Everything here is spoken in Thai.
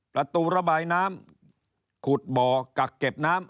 ประตูระบายน้ำขุดบ่อกักเก็บน้ำ